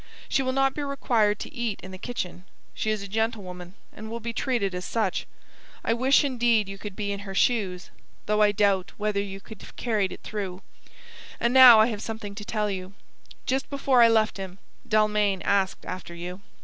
She will not be required to eat in the kitchen. She is a gentlewoman, and will be treated as such. I wish indeed you could be in her shoes, though I doubt whether you could have carried it through And now I have something to tell you. Just before I left him, Dalmain asked after you.